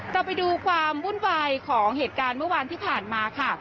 เราไปดูความวุ่นวายของเหตุการณ์เมื่อวานที่ผ่านมาค่ะ